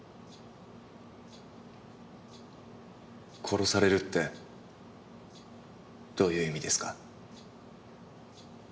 殺されるってどういう意味ですか？